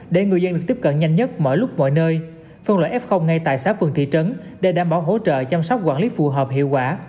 để người dân được tiếp cận nhanh nhất mọi lúc mọi nơi phân loại f ngay tại xã phường thị trấn để đảm bảo hỗ trợ chăm sóc quản lý phù hợp hiệu quả